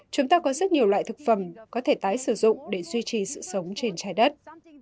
chúng ta có rất nhiều loại thực phẩm có thể tái sử dụng để duy trì sự sống trên trái đất